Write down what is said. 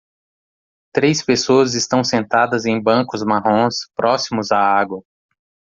Três pessoas estão sentadas em bancos marrons próximos à água.